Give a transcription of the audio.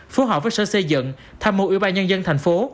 phù hợp với sở xây dựng tham mưu ủy ban nhân dân thành phố